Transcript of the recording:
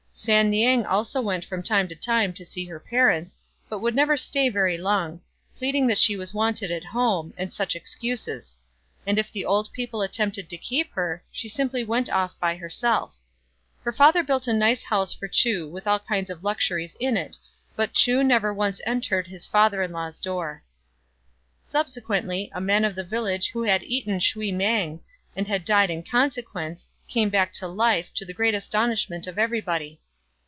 San niang also went from time to time to see her parents, but would never stay very long, pleading that she was wanted at home, and such excuses; and if the old people attempted to keep her, she simply went off by FROM A CHINESE STUDIO. 141 herself. Her father built a nice house for Chu with all kinds of luxuries in it ; but Chu never once entered his father in law's door. Subsequently a man of the village who had eaten shui mang, and had died in consequence, came back to life, to the great astonishment of everybody.